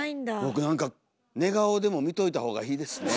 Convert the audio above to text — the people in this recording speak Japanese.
僕何か寝顔でも見といた方がいいですね。